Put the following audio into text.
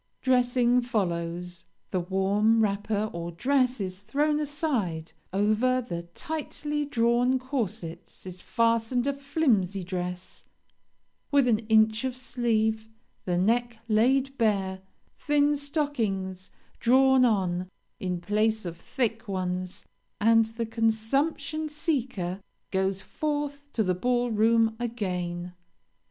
Dressing follows; the warm wrapper or dress is thrown aside; over the tightly drawn corsets is fastened a flimsy dress, with an inch of sleeve; the neck laid bare; thin stockings drawn on, in place of thick ones, and the consumption seeker goes forth to the ball room again.